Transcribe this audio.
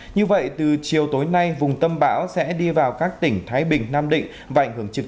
như vậy từ chiều tối nay vùng tâm bão sẽ đi vào các tỉnh thái bình nam định